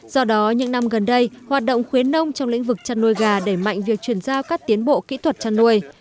do đó những năm gần đây hoạt động khuyến nông trong lĩnh vực chăn nuôi gà đẩy mạnh việc chuyển giao các tiến bộ kỹ thuật chăn nuôi